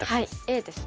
Ａですね。